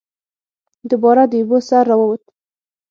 دوباره د اوبو سر ته راووت